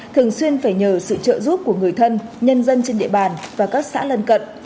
thường xuyên phải nhờ sự trợ giúp của người thân nhân dân trên địa bàn và các xã lân cận